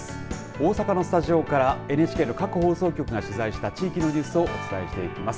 大阪のスタジオからＮＨＫの各放送局が取材した地域のニュースをお伝えします。